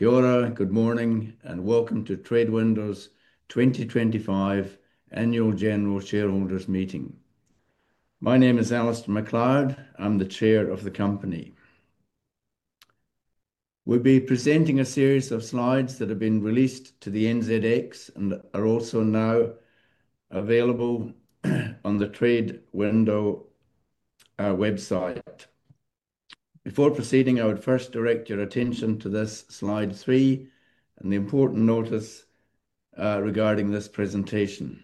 Good morning and welcome to TradeWindow Holdings Limited's 2025 Annual General Shareholders Meeting. My name is Alasdair Macleod. I'm the Chair of the company. We'll be presenting a series of slides that have been released to the NZX and are also now available on the TradeWindow website. Before proceeding, I would first direct your attention to slide three and the important notice regarding this presentation.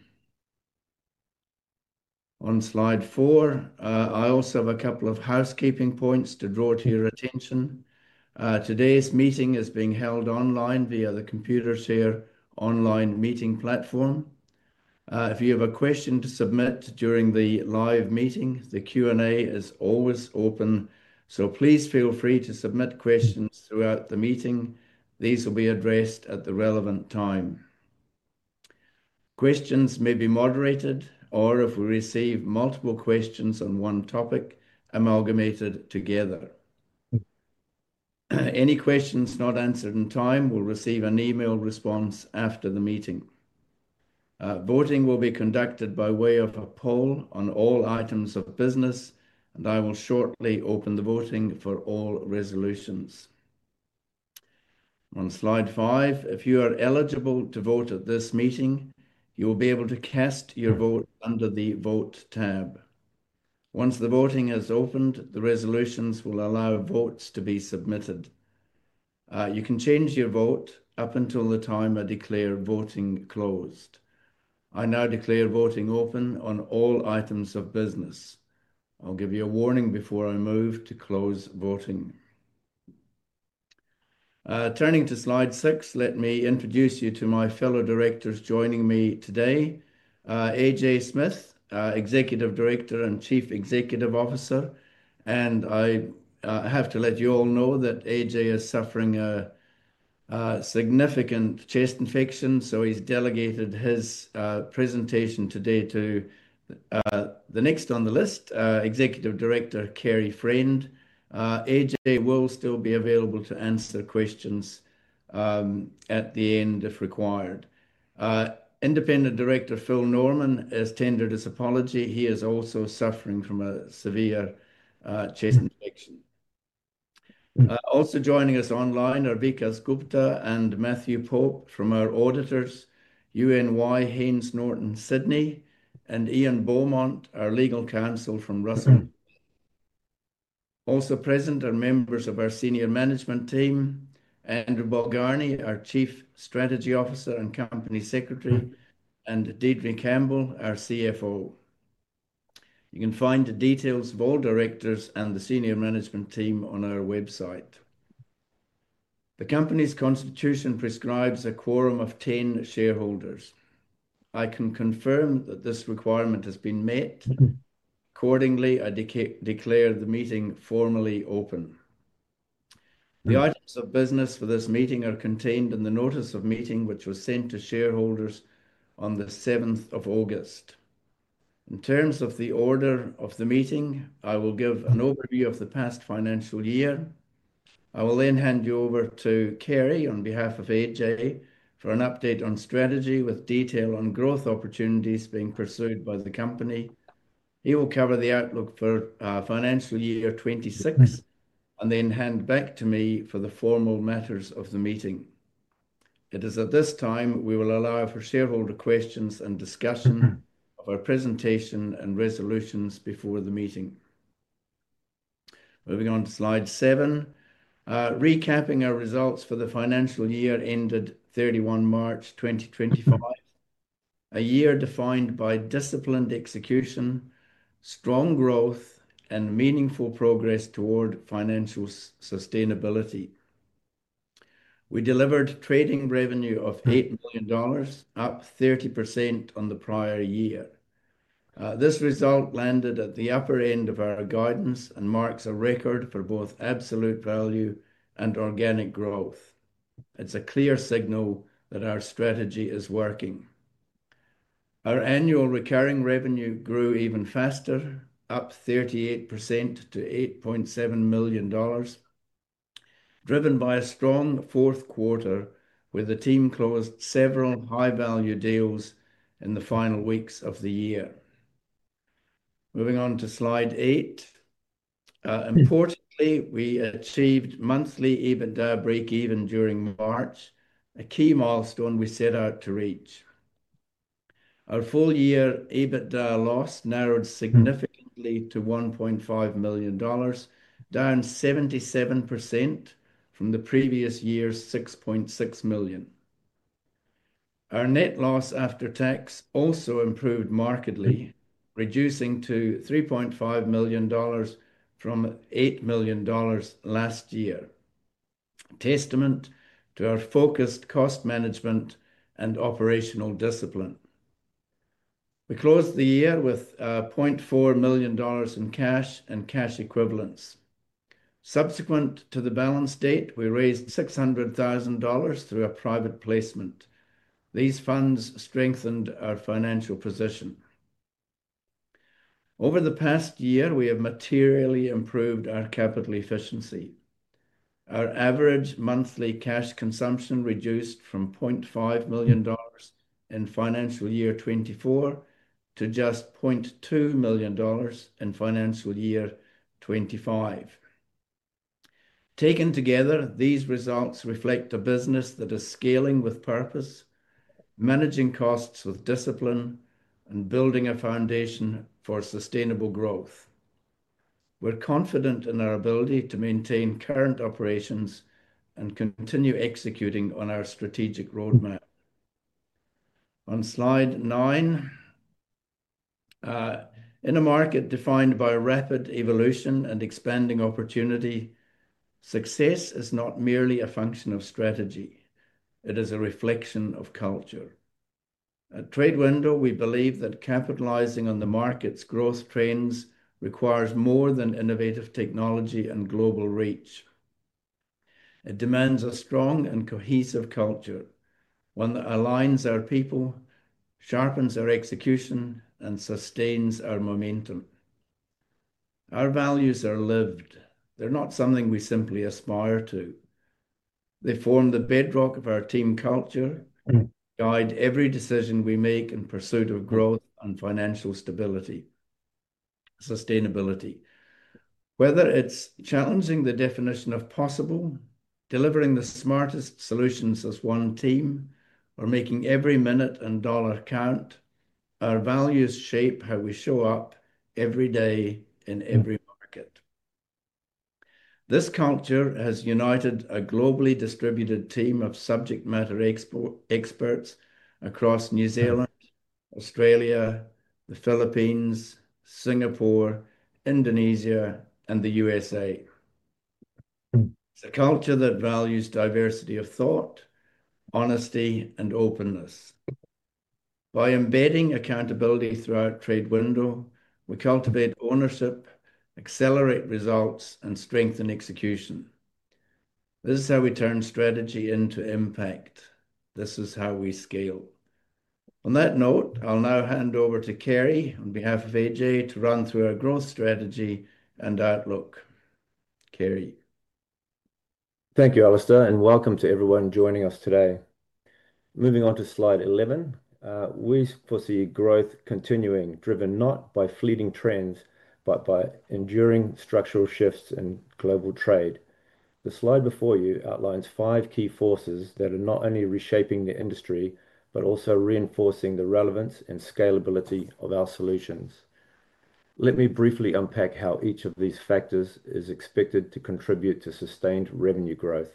On slide four, I also have a couple of housekeeping points to draw to your attention. Today's meeting is being held online via the Computershare online meeting platform. If you have a question to submit during the live meeting, the Q&A is always open, so please feel free to submit questions throughout the meeting. These will be addressed at the relevant time. Questions may be moderated or, if we receive multiple questions on one topic, amalgamated together. Any questions not answered in time will receive an email response after the meeting. Voting will be conducted by way of a poll on all items of business, and I will shortly open the voting for all resolutions. On slide five, if you are eligible to vote at this meeting, you will be able to cast your vote under the vote tab. Once the voting has opened, the resolutions will allow votes to be submitted. You can change your vote up until the time I declare voting closed. I now declare voting open on all items of business. I'll give you a warning before I move to close voting. Turning to slide six, let me introduce you to my fellow directors joining me today. AJ Smith, Executive Director and Chief Executive Officer, and I have to let you all know that AJ is suffering a significant chest infection, so he's delegated his presentation today to the next on the list, Executive Director Kerry Friend. AJ will still be available to answer questions at the end if required. Independent Director Phil Norman has tendered his apology. He is also suffering from a severe chest infection. Also joining us online are Vikas Gupta and Matthew Pope from our auditors, UHY Haines Norton Sydney, and Ian Beaumont, our legal counsel from Russell. Also present are members of our senior management team, Andrew Balgarnie, our Chief Strategy Officer and Company Secretary, and Deidre Campbell, our CFO. You can find the details of all directors and the senior management team on our website. The company's constitution prescribes a quorum of 10 shareholders. I can confirm that this requirement has been met. Accordingly, I declare the meeting formally open. The items of business for this meeting are contained in the notice of meeting, which was sent to shareholders on the 7th of August. In terms of the order of the meeting, I will give an overview of the past financial year. I will then hand you over to Kerry on behalf of AJ for an update on strategy with detail on growth opportunities being pursued by the company. He will cover the outlook for financial year 2026 and then hand back to me for the formal matters of the meeting. It is at this time we will allow for shareholder questions and discussion of our presentation and resolutions before the meeting. Moving on to slide seven, recapping our results for the financial year ended 31 March, 2025, a year defined by disciplined execution, strong growth, and meaningful progress toward financial sustainability. We delivered trading revenue of 8 million dollars, up 30% on the prior year. This result landed at the upper end of our guidance and marks a record for both absolute value and organic growth. It's a clear signal that our strategy is working. Our annual recurring revenue grew even faster, up 38% to 8.7 million dollars, driven by a strong fourth quarter, with the team closed several high-value deals in the final weeks of the year. Moving on to slide eight. Importantly, we achieved monthly EBITDA breakeven during March, a key milestone we set out to reach. Our full-year EBITDA loss narrowed significantly to 1.5 million dollars, down 77% from the previous year's 6.6 million. Our net loss after tax also improved markedly, reducing to 3.5 million dollars from 8 million dollars last year, a testament to our focused cost management and operational discipline. We closed the year with 0.4 million dollars in cash and cash equivalents. Subsequent to the balance date, we raised 600,000 dollars through a private placement. These funds strengthened our financial position. Over the past year, we have materially improved our capital efficiency. Our average monthly cash consumption reduced from 0.5 million dollars in financial year 2024 to just 0.2 million dollars in financial year 2025. Taken together, these results reflect a business that is scaling with purpose, managing costs with discipline, and building a foundation for sustainable growth. We're confident in our ability to maintain current operations and continue executing on our strategic roadmap. On slide nine, in a market defined by rapid evolution and expanding opportunity, success is not merely a function of strategy, it is a reflection of culture. At TradeWindow, we believe that capitalizing on the market's growth trends requires more than innovative technology and global reach. It demands a strong and cohesive culture, one that aligns our people, sharpens our execution, and sustains our momentum. Our values are lived, they're not something we simply aspire to. They form the bedrock of our team culture and guide every decision we make in pursuit of growth and financial stability. Sustainability, whether it's challenging the definition of possible, delivering the smartest solutions as one team, or making every minute and dollar count, our values shape how we show up every day in every market. This culture has united a globally distributed team of subject matter experts across New Zealand, Australia, the Philippines, Singapore, Indonesia, and the U.S.A. It's a culture that values diversity of thought, honesty, and openness. By embedding accountability throughout TradeWindow, we cultivate ownership, accelerate results, and strengthen execution. This is how we turn strategy into impact. This is how we scale. On that note, I'll now hand over to Kerry on behalf of AJ to run through our growth strategy and outlook. Kerry. Thank you, Alasdair, and welcome to everyone joining us today. Moving on to slide 11, we foresee growth continuing, driven not by fleeting trends, but by enduring structural shifts in global trade. The slide before you outlines five key forces that are not only reshaping the industry, but also reinforcing the relevance and scalability of our solutions. Let me briefly unpack how each of these factors is expected to contribute to sustained revenue growth.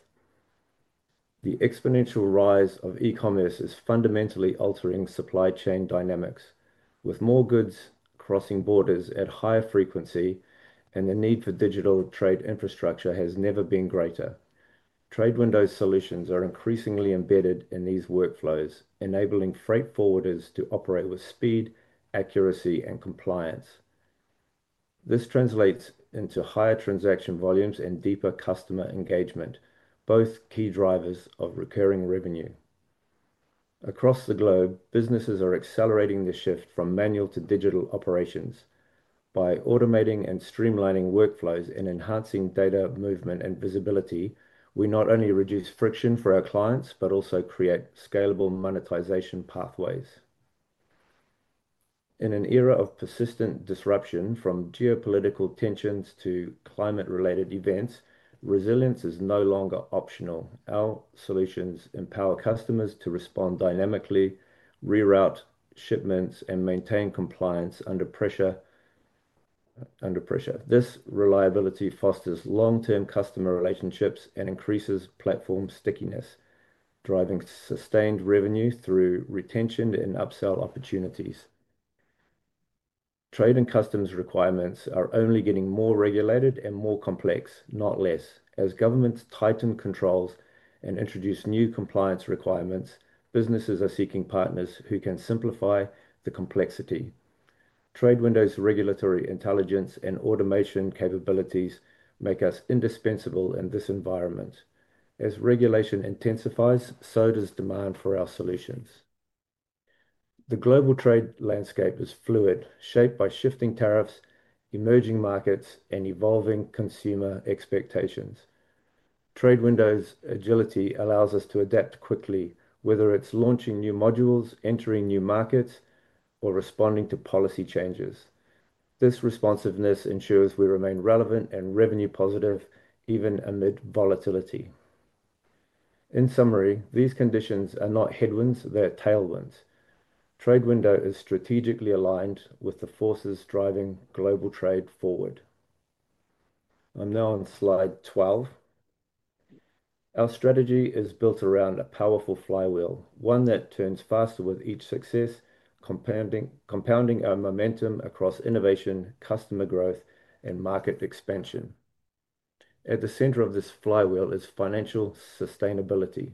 The exponential rise of e-commerce is fundamentally altering supply chain dynamics, with more goods crossing borders at higher frequency, and the need for digital trade infrastructure has never been greater. TradeWindow's solutions are increasingly embedded in these workflows, enabling freight forwarders to operate with speed, accuracy, and compliance. This translates into higher transaction volumes and deeper customer engagement, both key drivers of recurring revenue. Across the globe, businesses are accelerating the shift from manual to digital operations. By automating and streamlining workflows and enhancing data movement and visibility, we not only reduce friction for our clients, but also create scalable monetization pathways. In an era of persistent disruption, from geopolitical tensions to climate-related events, resilience is no longer optional. Our solutions empower customers to respond dynamically, reroute shipments, and maintain compliance under pressure. This reliability fosters long-term customer relationships and increases platform stickiness, driving sustained revenue through retention and upsell opportunities. Trade and customs requirements are only getting more regulated and more complex, not less. As governments tighten controls and introduce new compliance requirements, businesses are seeking partners who can simplify the complexity. TradeWindow's regulatory intelligence and automation capabilities make us indispensable in this environment. As regulation intensifies, so does demand for our solutions. The global trade landscape is fluid, shaped by shifting tariffs, emerging markets, and evolving consumer expectations. TradeWindow's agility allows us to adapt quickly, whether it's launching new modules, entering new markets, or responding to policy changes. This responsiveness ensures we remain relevant and revenue positive, even amid volatility. In summary, these conditions are not headwinds, they're tailwinds. TradeWindow is strategically aligned with the forces driving global trade forward. I'm now on slide 12. Our strategy is built around a powerful flywheel, one that turns faster with each success, compounding our momentum across innovation, customer growth, and market expansion. At the center of this flywheel is financial sustainability.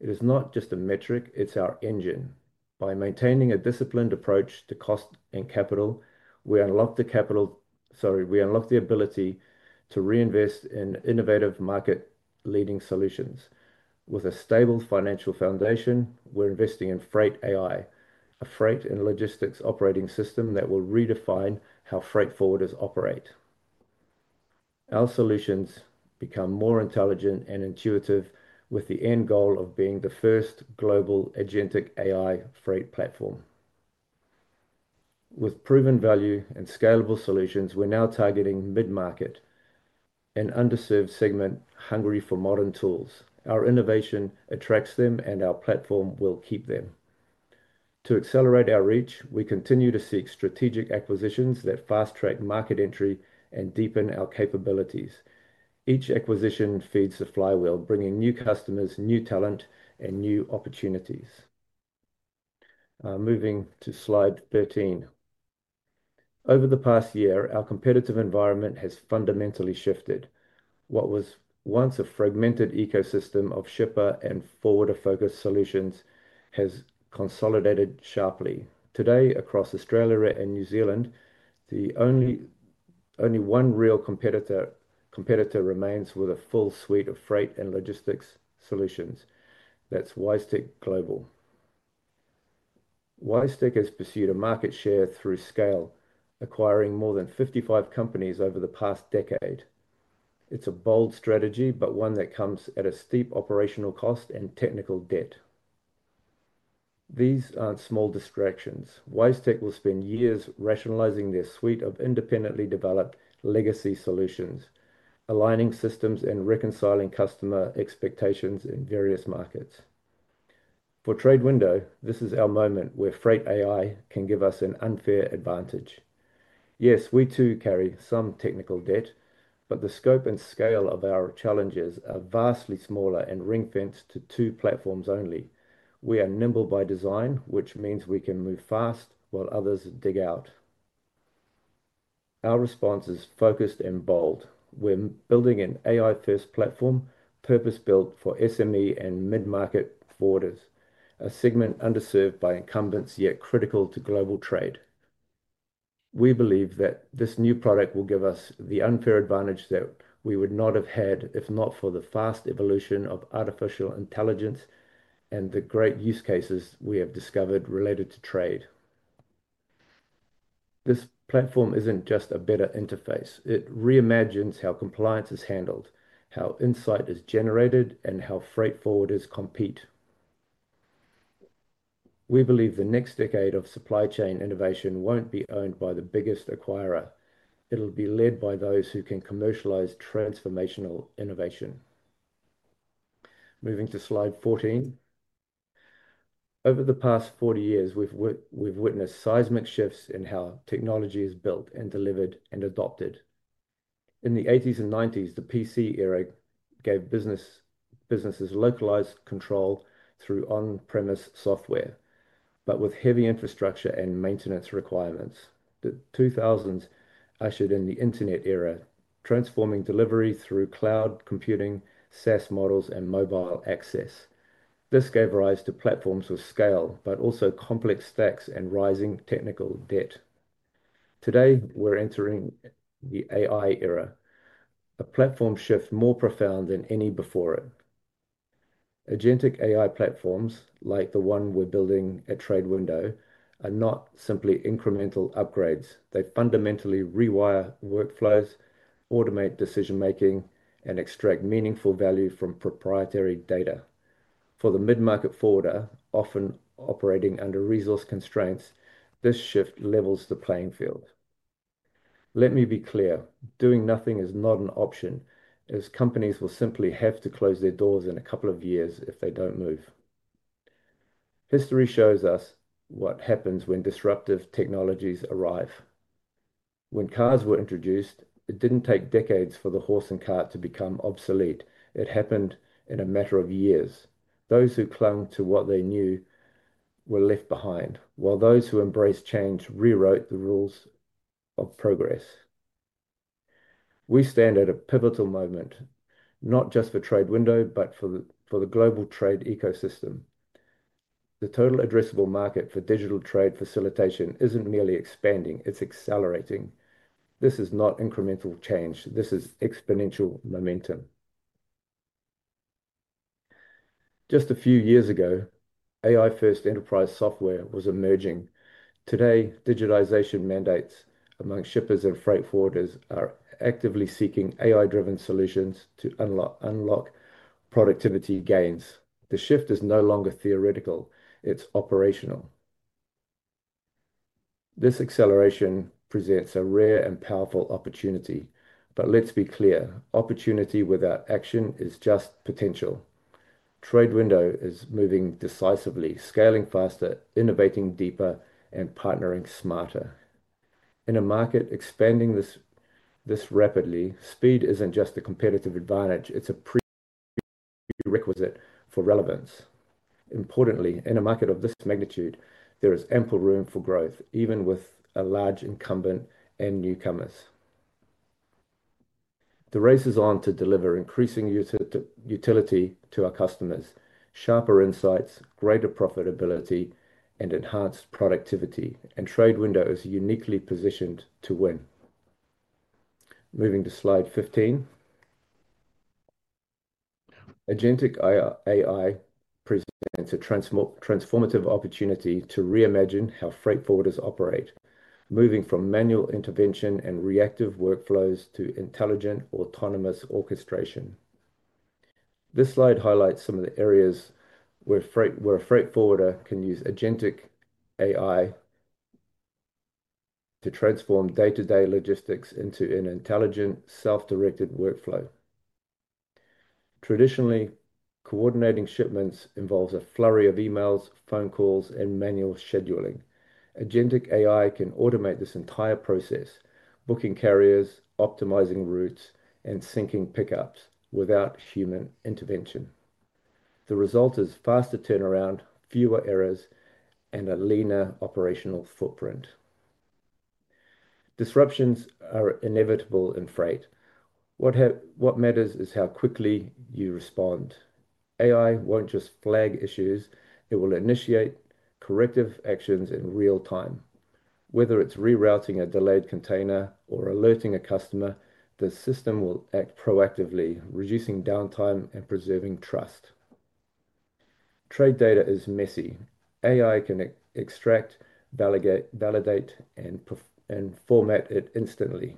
It is not just a metric, it's our engine. By maintaining a disciplined approach to cost and capital, we unlock the ability to reinvest in innovative market-leading solutions. With a stable financial foundation, we're investing in Freight AI, a freight and logistics operating system that will redefine how freight forwarders operate. Our solutions become more intelligent and intuitive, with the end goal of being the first global agentic AI freight platform. With proven value and scalable solutions, we're now targeting mid-market, an underserved segment hungry for modern tools. Our innovation attracts them, and our platform will keep them. To accelerate our reach, we continue to seek strategic acquisitions that fast-track market entry and deepen our capabilities. Each acquisition feeds the flywheel, bringing new customers, new talent, and new opportunities. Moving to slide 13. Over the past year, our competitive environment has fundamentally shifted. What was once a fragmented ecosystem of shipper and forwarder-focused solutions has consolidated sharply. Today, across Australia and New Zealand, the only one real competitor remains with a full suite of freight and logistics solutions. That's WiseTech Global. WiseTech has pursued a market share through scale, acquiring more than 55 companies over the past decade. It's a bold strategy, but one that comes at a steep operational cost and technical debt. These aren't small distractions. WiseTech will spend years rationalizing their suite of independently developed legacy solutions, aligning systems and reconciling customer expectations in various markets. For TradeWindow, this is our moment where Freight AI can give us an unfair advantage. Yes, we too carry some technical debt, but the scope and scale of our challenges are vastly smaller and ring-fenced to two platforms only. We are nimble by design, which means we can move fast while others dig out. Our response is focused and bold. We're building an AI-first platform, purpose-built for SME and mid-market forwarders, a segment underserved by incumbents yet critical to global trade. We believe that this new product will give us the unfair advantage that we would not have had if not for the fast evolution of artificial intelligence and the great use cases we have discovered related to trade. This platform isn't just a better interface, it reimagines how compliance is handled, how insight is generated, and how freight forwarders compete. We believe the next decade of supply chain innovation won't be owned by the biggest acquirer. It'll be led by those who can commercialize transformational innovation. Moving to slide 14. Over the past 40 years, we've witnessed seismic shifts in how technology is built and delivered and adopted. In the 1980s and 1990s, the PC era gave businesses localized control through on-premise software, but with heavy infrastructure and maintenance requirements. The 2000s ushered in the Internet era, transforming delivery through cloud computing, SaaS models, and mobile access. This gave rise to platforms with scale, but also complex stacks and rising technical debt. Today, we're entering the AI era, a platform shift more profound than any before it. Agentic AI platforms, like the one we're building at TradeWindow, are not simply incremental upgrades. They fundamentally rewire workflows, automate decision-making, and extract meaningful value from proprietary data. For the mid-market forwarder, often operating under resource constraints, this shift levels the playing field. Let me be clear, doing nothing is not an option, as companies will simply have to close their doors in a couple of years if they don't move. History shows us what happens when disruptive technologies arrive. When cars were introduced, it didn't take decades for the horse and cart to become obsolete. It happened in a matter of years. Those who clung to what they knew were left behind, while those who embraced change rewrote the rules of progress. We stand at a pivotal moment, not just for TradeWindow, but for the global trade ecosystem. The total addressable market for digital trade facilitation isn't merely expanding, it's accelerating. This is not incremental change, this is exponential momentum. Just a few years ago, AI-first enterprise software was emerging. Today, digitization mandates among shippers and freight forwarders are actively seeking AI-driven solutions to unlock productivity gains. The shift is no longer theoretical, it's operational. This acceleration presents a rare and powerful opportunity, but let's be clear, opportunity without action is just potential. TradeWindow is moving decisively, scaling faster, innovating deeper, and partnering smarter. In a market expanding this rapidly, speed isn't just a competitive advantage, it's a prerequisite for relevance. Importantly, in a market of this magnitude, there is ample room for growth, even with a large incumbent and newcomers. The race is on to deliver increasing utility to our customers, sharper insights, greater profitability, and enhanced productivity. TradeWindow is uniquely positioned to win. Moving to slide 15, agentic AI presents a transformative opportunity to reimagine how freight forwarders operate, moving from manual intervention and reactive workflows to intelligent autonomous orchestration. This slide highlights some of the areas where a freight forwarder can use agentic AI to transform day-to-day logistics into an intelligent, self-directed workflow. Traditionally, coordinating shipments involves a flurry of emails, phone calls, and manual scheduling. Agentic AI can automate this entire process, booking carriers, optimizing routes, and syncing pickups without human intervention. The result is faster turnaround, fewer errors, and a leaner operational footprint. Disruptions are inevitable in freight. What matters is how quickly you respond. AI won't just flag issues, it will initiate corrective actions in real time. Whether it's rerouting a delayed container or alerting a customer, the system will act proactively, reducing downtime and preserving trust. Trade data is messy. AI can extract, validate, and format it instantly,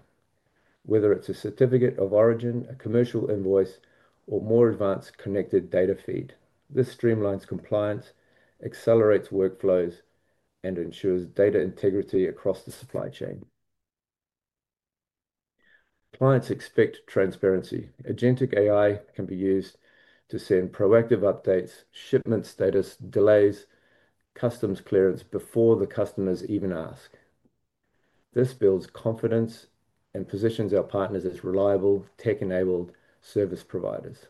whether it's a certificate of origin, a commercial invoice, or more advanced connected data feed. This streamlines compliance, accelerates workflows, and ensures data integrity across the supply chain. Clients expect transparency. Agentic AI can be used to send proactive updates, shipment status, delays, and customs clearance before the customers even ask. This builds confidence and positions our partners as reliable, tech-enabled service providers.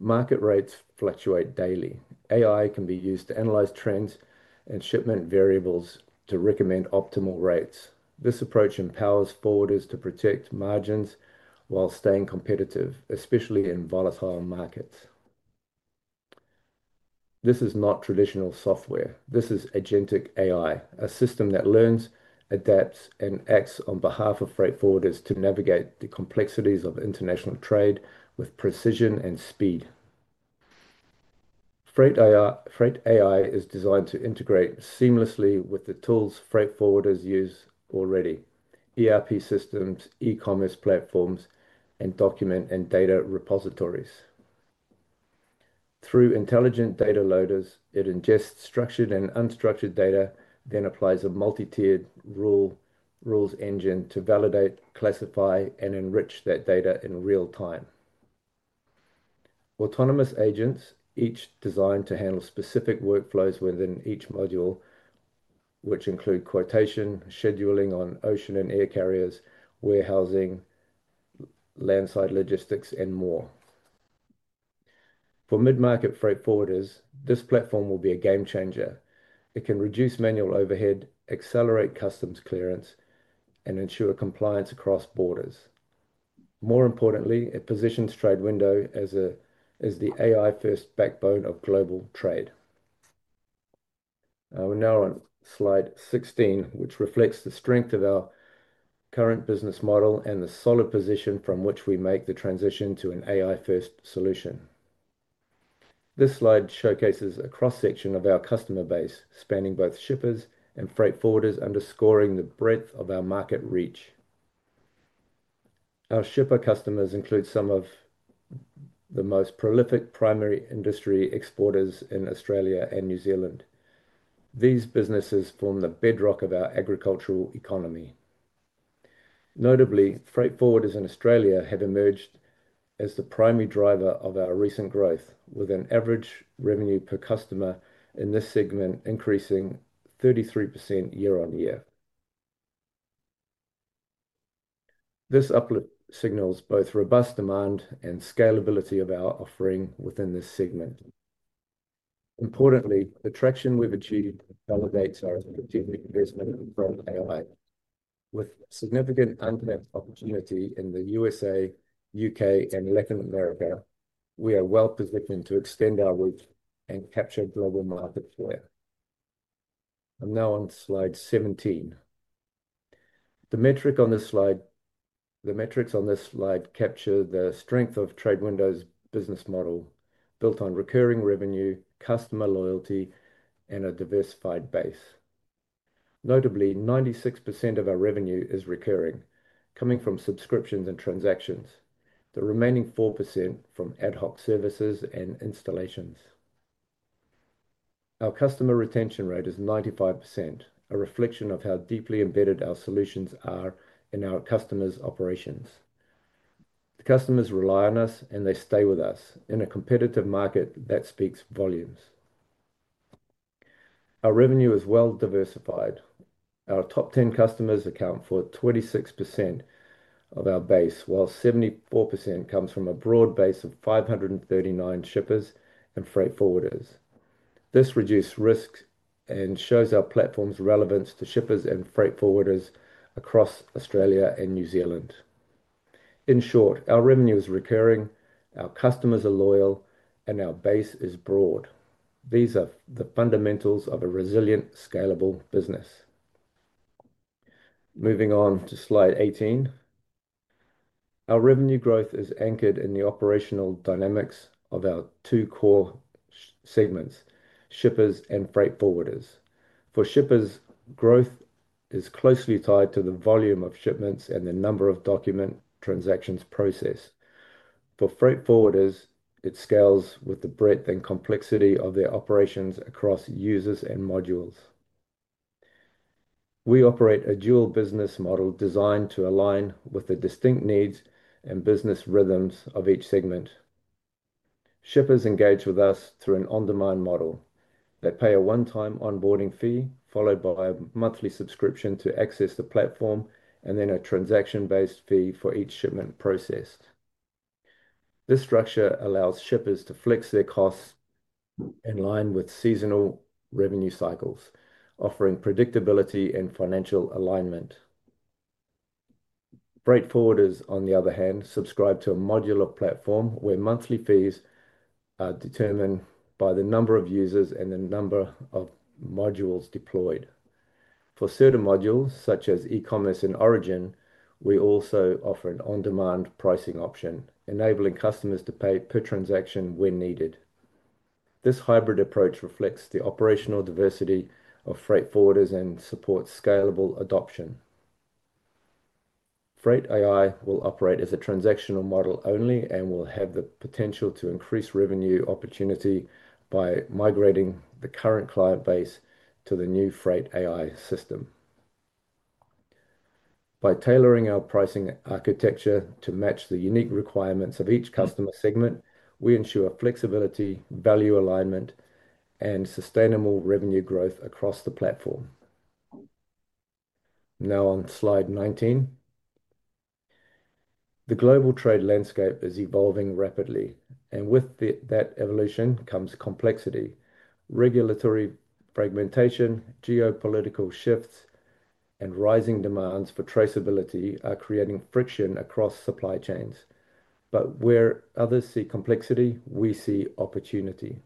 Market rates fluctuate daily. AI can be used to analyze trends and shipment variables to recommend optimal rates. This approach empowers forwarders to protect margins while staying competitive, especially in volatile markets. This is not traditional software. This is agentic AI, a system that learns, adapts, and acts on behalf of freight forwarders to navigate the complexities of international trade with precision and speed. Freight AI is designed to integrate seamlessly with the tools freight forwarders use already: ERP systems, e-commerce platforms, and document and data repositories. Through intelligent data loaders, it ingests structured and unstructured data, then applies a multi-tiered rules engine to validate, classify, and enrich that data in real time. Autonomous agents, each designed to handle specific workflows within each module, which include quotation, scheduling on ocean and air carriers, warehousing, landside logistics, and more. For mid-market freight forwarders, this platform will be a game changer. It can reduce manual overhead, accelerate customs clearance, and ensure compliance across borders. More importantly, it positions TradeWindow as the AI-first backbone of global trade. We're now on slide 16, which reflects the strength of our current business model and the solid position from which we make the transition to an AI-first solution. This slide showcases a cross-section of our customer base, spanning both shippers and freight forwarders, underscoring the breadth of our market reach. Our shipper customers include some of the most prolific primary industry exporters in Australia and New Zealand. These businesses form the bedrock of our agricultural economy. Notably, freight forwarders in Australia have emerged as the primary driver of our recent growth, with an average revenue per customer in this segment increasing 33% year-on-year. This uplift signals both robust demand and scalability of our offering within this segment. Importantly, the traction we've achieved validates our strategic investment in Freight AI. With significant untapped opportunity in the U.S., U.K., and Latin America, we are well positioned to extend our reach and capture global markets for it. I'm now on slide 17. The metrics on this slide capture the strength of TradeWindow's business model, built on recurring revenue, customer loyalty, and a diversified base. Notably, 96% of our revenue is recurring, coming from subscriptions and transactions, the remaining 4% from ad hoc services and installations. Our customer retention rate is 95%, a reflection of how deeply embedded our solutions are in our customers' operations. Customers rely on us, and they stay with us in a competitive market that speaks volumes. Our revenue is well diversified. Our top 10 customers account for 26% of our base, while 74% comes from a broad base of 539 shippers and freight forwarders. This reduces risk and shows our platform's relevance to shippers and freight forwarders across Australia and New Zealand. In short, our revenue is recurring, our customers are loyal, and our base is broad. These are the fundamentals of a resilient, scalable business. Moving on to slide 18, our revenue growth is anchored in the operational dynamics of our two core segments: Shippers and Freight Forwarders. For Shippers, growth is closely tied to the volume of shipments and the number of document transactions processed. For Freight Forwarders, it scales with the breadth and complexity of their operations across users and modules. We operate a dual business model designed to align with the distinct needs and business rhythms of each segment. Shippers engage with us through an on-demand model. They pay a one-time onboarding fee, followed by a monthly subscription to access the platform, and then a transaction-based fee for each shipment processed. This structure allows shippers to flex their costs in line with seasonal revenue cycles, offering predictability and financial alignment. Freight Forwarders, on the other hand, subscribe to a modular platform where monthly fees are determined by the number of users and the number of modules deployed. For certain modules, such as E-commerce and Origin, we also offer an on-demand pricing option, enabling customers to pay per transaction when needed. This hybrid approach reflects the operational diversity of freight forwarders and supports scalable adoption. Freight AI will operate as a transactional model only and will have the potential to increase revenue opportunity by migrating the current client base to the new Freight AI system. By tailoring our pricing architecture to match the unique requirements of each customer segment, we ensure flexibility, value alignment, and sustainable revenue growth across the platform. Now on slide 19, the global trade landscape is evolving rapidly, and with that evolution comes complexity. Regulatory fragmentation, geopolitical shifts, and rising demands for traceability are creating friction across supply chains. Where others see complexity, we see opportunity.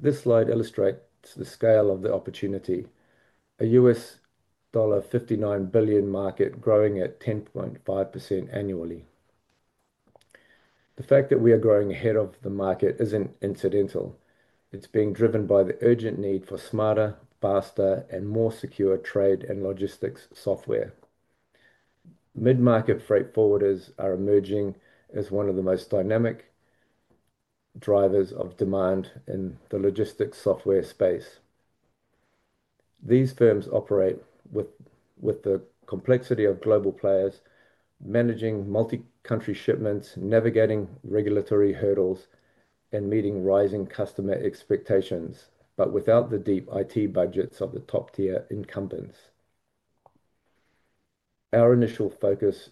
This slide illustrates the scale of the opportunity: a $59 billion market growing at 10.5% annually. The fact that we are growing ahead of the market isn't incidental. It's being driven by the urgent need for smarter, faster, and more secure trade and logistics software. Mid-market freight forwarders are emerging as one of the most dynamic drivers of demand in the logistics software space. These firms operate with the complexity of global players, managing multi-country shipments, navigating regulatory hurdles, and meeting rising customer expectations, but without the deep IT budgets of the top-tier incumbents. Our initial focus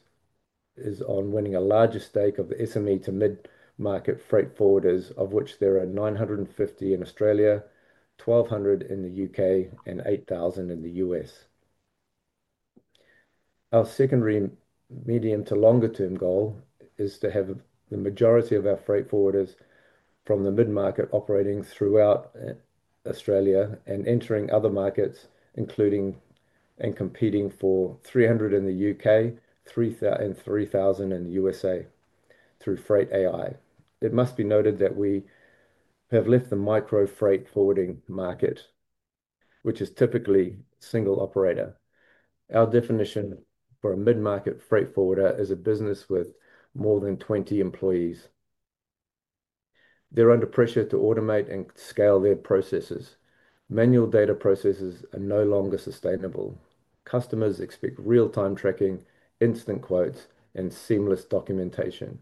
is on winning a larger stake of SME to mid-market freight forwarders, of which there are 950 in Australia, 1,200 in the United Kingdom, and 8,000 in the United States. Our secondary medium to longer-term goal is to have the majority of our freight forwarders from the mid-market operating throughout Australia and entering other markets, including and competing for 300 in the United Kingdom and 3,000 in the United States through Freight AI. It must be noted that we have left the micro freight forwarding market, which is typically single operator. Our definition for a mid-market freight forwarder is a business with more than 20 employees. They're under pressure to automate and scale their processes. Manual data processes are no longer sustainable. Customers expect real-time tracking, instant quotes, and seamless documentation.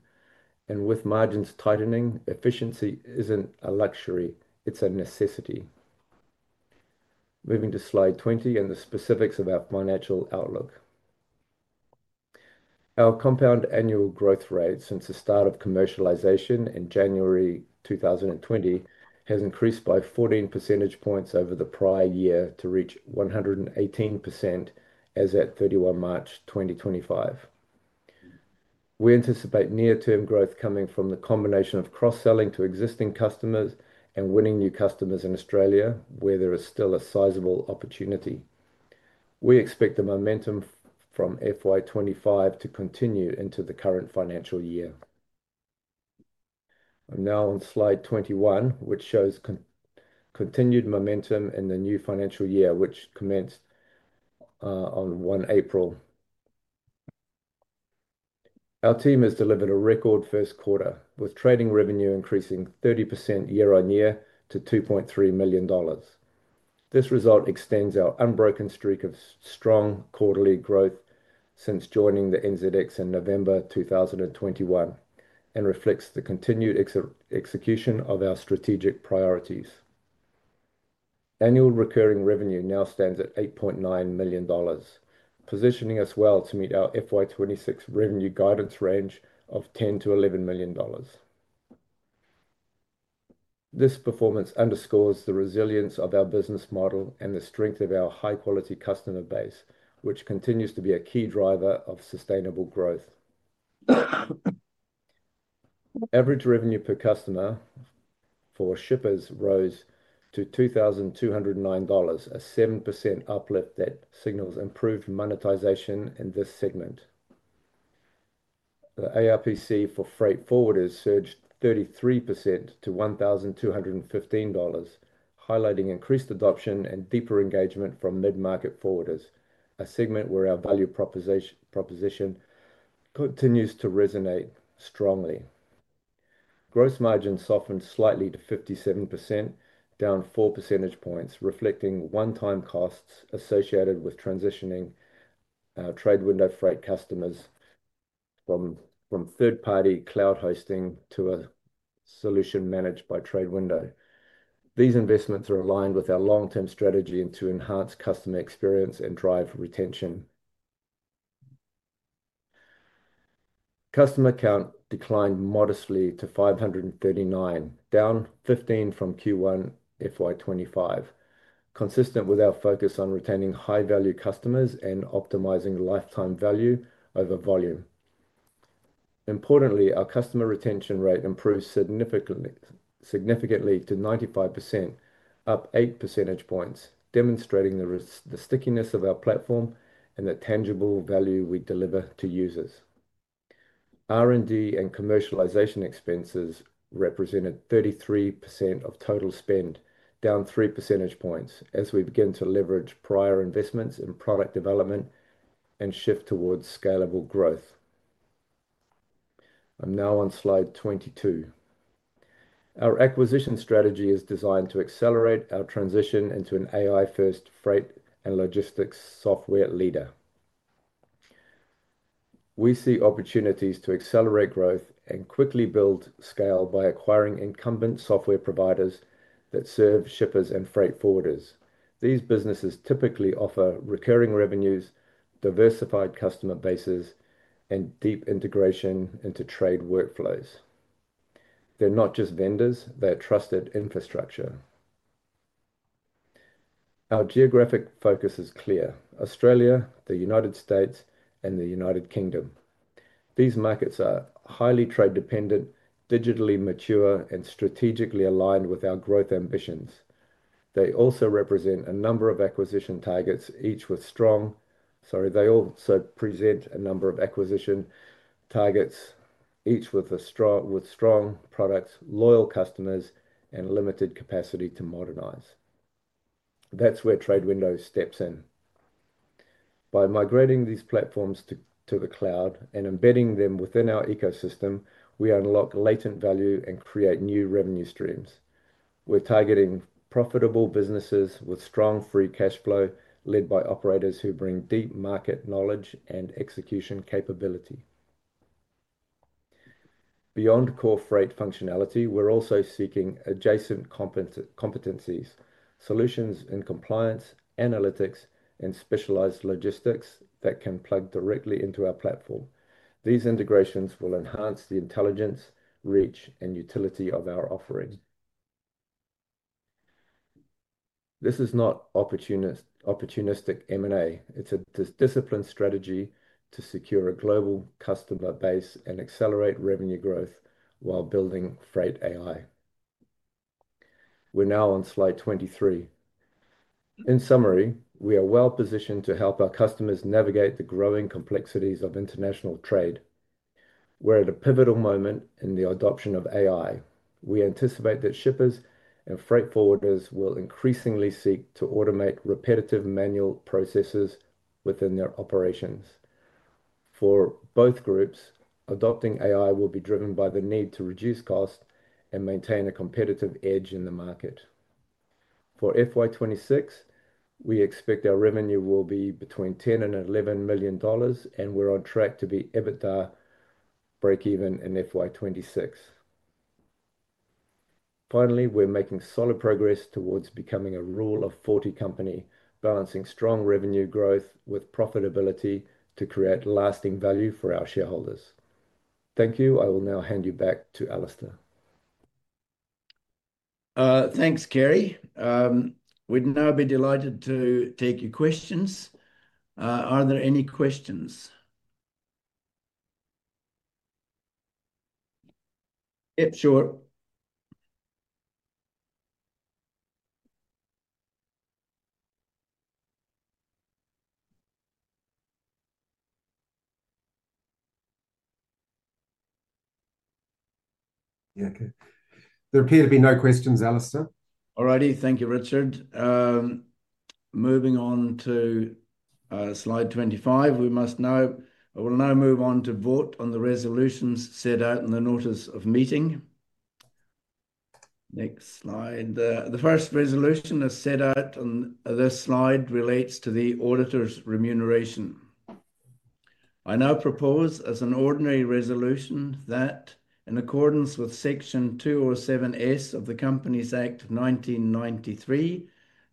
With margins tightening, efficiency isn't a luxury; it's a necessity. Moving to slide 20 and the specifics of our financial outlook. Our compound annual growth rate since the start of commercialization in January 2020 has increased by 14 percentage points over the prior year to reach 118% as at 31 March 2025. We anticipate near-term growth coming from the combination of cross-selling to existing customers and winning new customers in Australia, where there is still a sizable opportunity. We expect the momentum from FY 2025 to continue into the current financial year. I'm now on slide 21, which shows continued momentum in the new financial year, which commenced on 1 April. Our team has delivered a record first quarter, with trading revenue increasing 30% year on year to 2.3 million dollars. This result extends our unbroken streak of strong quarterly growth since joining the NZX in November 2021 and reflects the continued execution of our strategic priorities. Annual recurring revenue now stands at 8.9 million dollars, positioning us well to meet our FY 2026 revenue guidance range of 10 million-11 million dollars. This performance underscores the resilience of our business model and the strength of our high-quality customer base, which continues to be a key driver of sustainable growth. Average revenue per customer for shippers rose to 2,209 dollars, a 7% uplift that signals improved monetization in this segment. The ARPC for freight forwarders surged 33% to 1,215 dollars, highlighting increased adoption and deeper engagement from mid-market forwarders, a segment where our value proposition continues to resonate strongly. Gross margins softened slightly to 57%, down 4 percentage points, reflecting one-time costs associated with transitioning our TradeWindow freight customers from third-party cloud hosting to a solution managed by TradeWindow. These investments are aligned with our long-term strategy to enhance customer experience and drive retention. Customer count declined modestly to 539, down 15 from Q1 FY 2025, consistent with our focus on retaining high-value customers and optimizing lifetime value over volume. Importantly, our customer retention rate improved significantly to 95%, up 8 percentage points, demonstrating the stickiness of our platform and the tangible value we deliver to users. R&D and commercialization expenses represented 33% of total spend, down 3 percentage points, as we begin to leverage prior investments in product development and shift towards scalable growth. I'm now on slide 22. Our acquisition strategy is designed to accelerate our transition into an AI-first freight and logistics software leader. We see opportunities to accelerate growth and quickly build scale by acquiring incumbent software providers that serve shippers and freight forwarders. These businesses typically offer recurring revenues, diversified customer bases, and deep integration into trade workflows. They're not just vendors; they're trusted infrastructure. Our geographic focus is clear: Australia, the United States, and the United Kingdom. These markets are highly trade-dependent, digitally mature, and strategically aligned with our growth ambitions. They also present a number of acquisition targets, each with strong products, loyal customers, and limited capacity to modernize. That's where TradeWindow steps in. By migrating these platforms to the cloud and embedding them within our ecosystem, we unlock latent value and create new revenue streams. We're targeting profitable businesses with strong free cash flow, led by operators who bring deep market knowledge and execution capability. Beyond core freight functionality, we're also seeking adjacent competencies: solutions in compliance, analytics, and specialized logistics that can plug directly into our platform. These integrations will enhance the intelligence, reach, and utility of our offering. This is not opportunistic M&A, it's a disciplined strategy to secure a global customer base and accelerate revenue growth while building Freight AI. We're now on slide 23. In summary, we are well positioned to help our customers navigate the growing complexities of international trade. We're at a pivotal moment in the adoption of AI. We anticipate that shippers and freight forwarders will increasingly seek to automate repetitive manual processes within their operations. For both groups, adopting AI will be driven by the need to reduce cost and maintain a competitive edge in the market. For FY 2026, we expect our revenue will be between 10 million and 11 million dollars, and we're on track to be EBITDA break-even in FY 2026. Finally, we're making solid progress towards becoming a Rule-of-40 company, balancing strong revenue growth with profitability to create lasting value for our shareholders. Thank you. I will now hand you back to Alasdair. Thanks, Kerry. We'd now be delighted to take your questions. Are there any questions? Yep, sure! There appear to be no questions, Alasdair. All righty, thank you, Richard. Moving on to slide 25, I will now move on to vote on the resolutions set out in the notice of meeting. Next slide. The first resolution as set out on this slide relates to the auditor's remuneration. I now propose as an ordinary resolution that, in accordance with Section 207(s) of the Companies Act of 1993,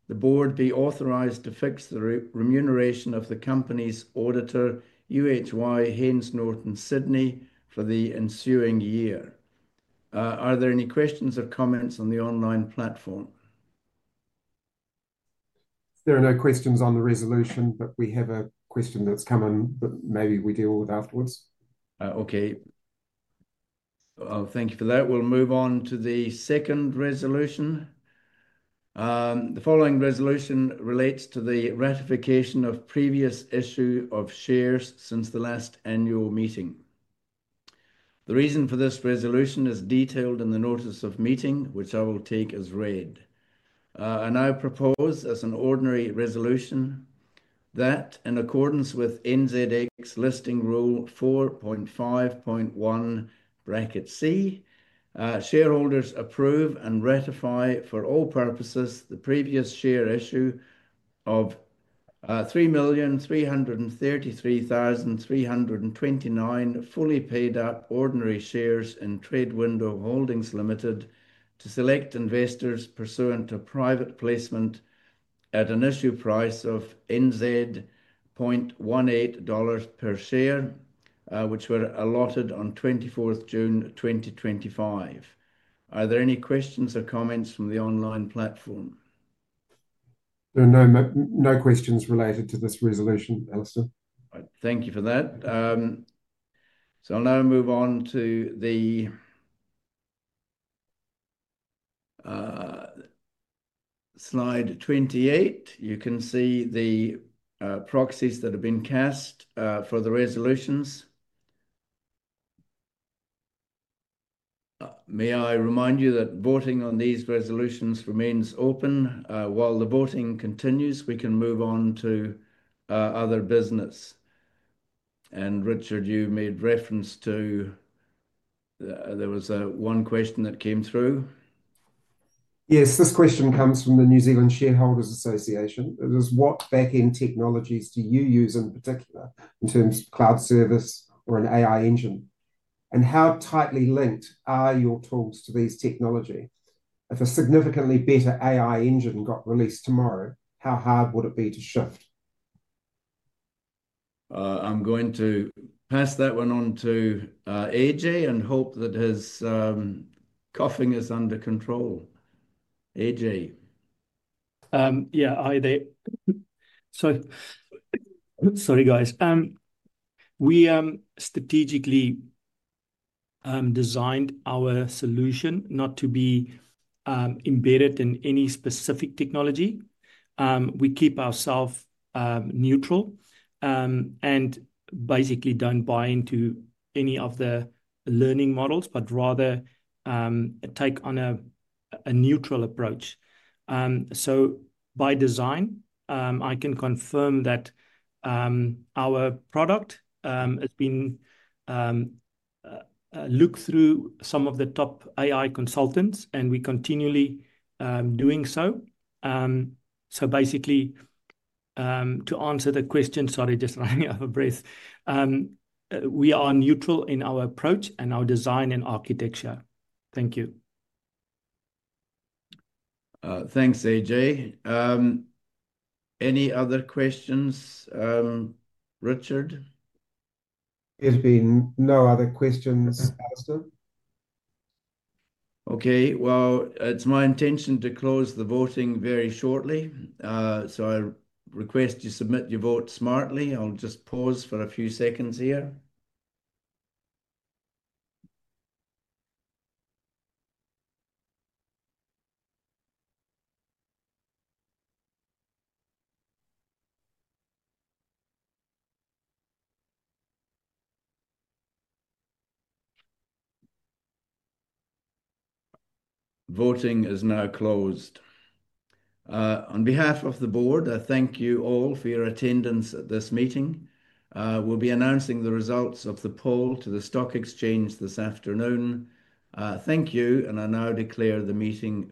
the Board be authorized to fix the remuneration of the company's auditor, UHY Haines Norton Sydney, for the ensuing year. Are there any questions or comments on the online platform? There are no questions on the resolution, but we have a question that's come in that maybe we deal with afterwards. Okay. Thank you for that. We'll move on to the second resolution. The following resolution relates to the ratification of the previous issue of shares since the last annual meeting. The reason for this resolution is detailed in the notice of meeting, which I will take as read. I now propose as an ordinary resolution that, in accordance with NZX Listing Rule 4.5.1(c), shareholders approve and ratify for all purposes the previous share issue of 3,333,329 fully paid-out ordinary shares in TradeWindow Holdings Limited to select investors pursuant to private placement at an issue price of 0.18 dollars per share, which were allotted on 24th June 2025. Are there any questions or comments from the online platform? No, no questions related to this resolution, Alasdair. Thank you for that. I'll now move on to slide 28. You can see the proxies that have been cast for the resolutions. May I remind you that voting on these resolutions remains open. While the voting continues, we can move on to other business. Richard, you made reference to there was one question that came through. Yes, this question comes from the New Zealand Shareholders Association. It was what backend technologies do you use in particular in terms of cloud service or an AI engine? How tightly linked are your tools to these technologies? If a significantly better AI engine got released tomorrow, how hard would it be to shift? I'm going to pass that one on to AJ and hope that his coughing is under control. AJ. Hi there. Sorry guys, we strategically designed our solution not to be embedded in any specific technology. We keep ourselves neutral and basically don't buy into any of the learning models, but rather take on a neutral approach. By design, I can confirm that our product has been looked through some of the top AI consultants, and we continually do so. To answer the question, sorry, just running out of breath, we are neutral in our approach and our design and architecture. Thank you. Thanks, AJ. Any other questions? Richard? There's been no other questions. Okay, it's my intention to close the voting very shortly. I request you submit your vote smartly. I'll just pause for a few seconds here. Voting is now closed. On behalf of the Board, I thank you all for your attendance at this meeting. We'll be announcing the results of the poll to the stock exchange this afternoon. Thank you, and I now declare the meeting...